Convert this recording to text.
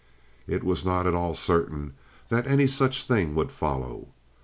It was not at all certain that any such thing would follow.